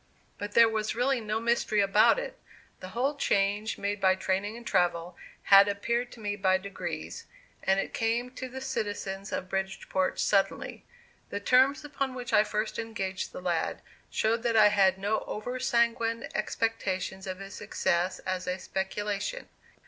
But there was really no mystery about it; the whole change made by training and travel, had appeared to me by degrees, and it came to the citizens of Bridgeport suddenly. The terms upon which I first engaged the lad showed that I had no over sanguine expectations of his success as a "speculation."